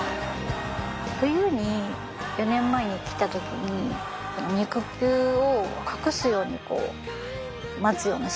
冬に４年前に来た時に肉球を隠すようにこう待つようなしぐさだったり。